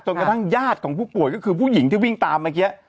กระทั่งญาติของผู้ป่วยก็คือผู้หญิงที่วิ่งตามเมื่อกี้